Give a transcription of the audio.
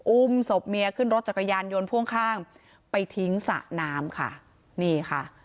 อุ้มศพเมียขึ้นรถจักรยานยนต์พ่วงข้างไปทิ้งสระน้ำค่ะนี่ค่ะ